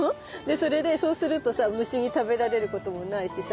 それでそうするとさ虫に食べられることもないしさ